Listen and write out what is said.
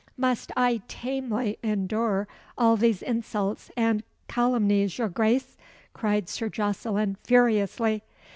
"Must I tamely endure all these insults and calumnies, your Grace?" cried Sir Jocelyn furiously.